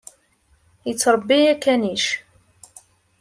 Yettṛebbi akanic.